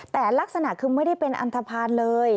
แต่ลักษณะคือไม่ได้เป็นอันทภาณเลย